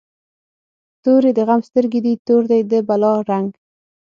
توری د غم سترګی دي، تور دی د بلا رنګ